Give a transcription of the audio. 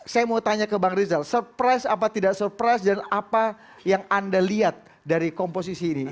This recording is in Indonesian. saya mau tanya ke bang rizal surprise apa tidak surprise dan apa yang anda lihat dari komposisi ini